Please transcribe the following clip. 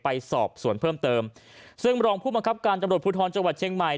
ไปสอบส่วนเพิ่มเติมซึ่งรองผู้บังคับการตำรวจภูทรจังหวัดเชียงใหม่